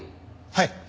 はい。